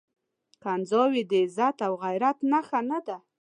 کنځاوي د عزت او غيرت نښه نه ده.